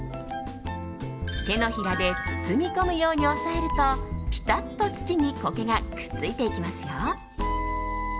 手のひらで包み込むように押さえるとピタッと土に苔がくっついていきますよ。